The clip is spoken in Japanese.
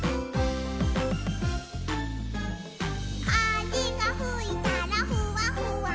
「かぜがふいたらふわふわ」